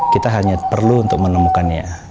kita hanya perlu untuk menemukannya